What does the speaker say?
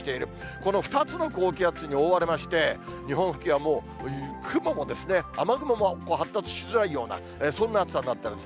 この２つの高気圧に覆われまして、日本付近はもう、雲も、雨雲も発達しづらいような、そんな暑さになってます。